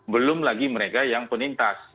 belum lagi mereka yang berpengalaman untuk berpengalaman